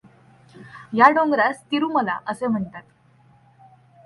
या डोंगरास तिरुमला असे म्हणतात.